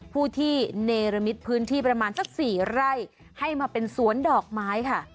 ผู้ที่เนรมิตพื้นที่ประมาณสัก๔ไร่ให้มาเป็นสวนดอกไม้ค่ะ